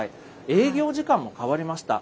営業時間も変わりました。